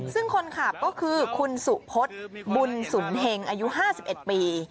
ซึ่งคนขับก็คือคุณสุพศบุญสุนเฮงอายุ๕๑ปี